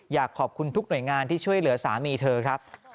อยากขอบคุณทุกหน่วยงานที่ช่วยเหลือสามีเธอครับ